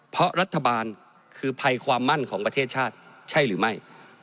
เพราะรัฐบาลคือภัยความมั่นของประเทศชาติใช่หรือไม่